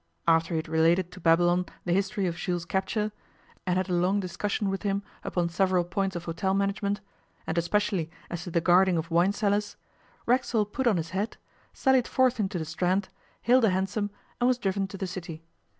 After he had related to Babylon the history of Jules' capture, and had a long discussion with him upon several points of hotel management, and especially as to the guarding of wine cellars, Racksole put on his hat, sallied forth into the Strand, hailed a hansom, and was driven to the City.